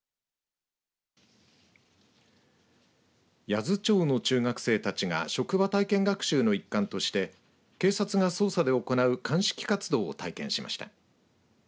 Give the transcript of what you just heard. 八頭町の中学生たちが職場体験学習の一環として警察が捜査で行う鑑識活動を体験しました。